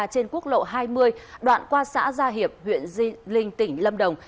trên quốc lộ hai mươi đoạn qua xã gia hiệp huyện di linh tỉnh lâm đồng